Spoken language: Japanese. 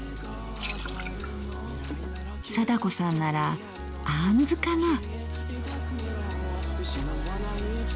貞子さんならあんずかな？